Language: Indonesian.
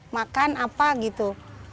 makan apa gitu